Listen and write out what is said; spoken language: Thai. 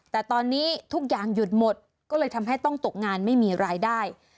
แต่ตอนนี้ทุกอย่างหยุดหมดก็เลยทำให้ต้องตกงานไม่มีรายได้